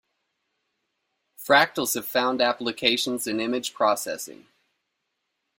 Fractals have found applications in image processing.